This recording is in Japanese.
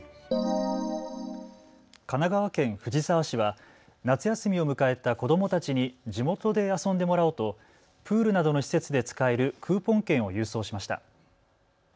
神奈川県藤沢市は夏休みを迎えた子どもたちに地元で遊んでもらおうとプールなどの施設で使えるクーポン券を郵送しました。